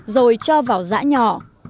rồi cho vào giã nhỏ